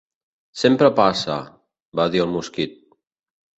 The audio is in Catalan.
"Sempre passa", va dir el mosquit.